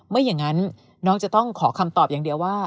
ไม่อย่างนั้นน้องจะต้องขอคำตอบอย่างเดียวว่า